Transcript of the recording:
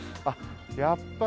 あっ、